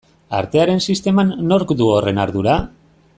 Artearen sisteman nork du horren ardura?